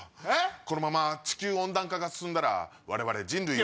このまま地球温暖化が進んだら我々人類は。